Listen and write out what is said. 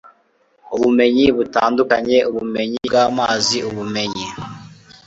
ubumenyi butandukanye ubumenyi bw amazi ubumenyi